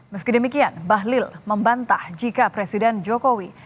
meski demikian bahlil membantah jika presiden jokowi